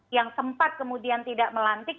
yang sempat kemudian tidak melantik